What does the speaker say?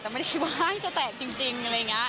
แต่ไม่ได้บ้านจะแตกจริงอะไรอย่างนี้